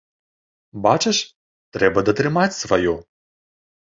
Бачыш, трэба датрымаць сваё.